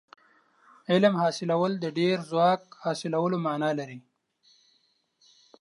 علم حاصلول د ډېر ځواک حاصلولو معنا لري.